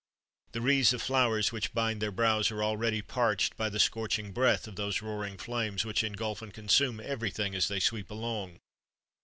The wreaths of flowers which bind their brows are already parched by the scorching breath of those roaring flames, which engulf and consume everything as they sweep along.